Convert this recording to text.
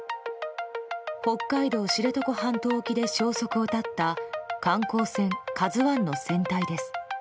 北海道知床半島沖で消息を絶った観光船「ＫＡＺＵ１」の船体です。